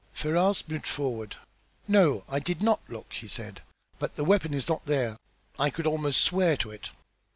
Ferrars moved forward. "No, I did not look," he said. "But the weapon is not there; I could almost swear to it.